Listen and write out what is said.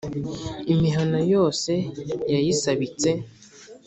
imihana yose yayisabitse,